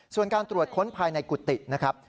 ส่วนการตรวจค้นภายในกุฏินะครับ